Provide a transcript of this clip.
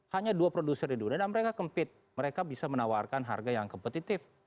hanya dua produser di dunia dan mereka kempit mereka bisa menawarkan harga yang kompetitif